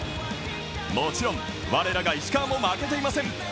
もちろん我らが石川も負けていません。